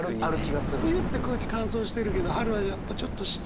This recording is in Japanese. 冬って空気乾燥してるけど春はやっぱちょっと湿度。